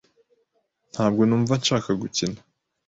Ntabwo numva nshaka gukina.